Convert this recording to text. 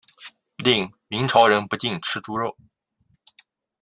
另明朝人不禁吃猪肉。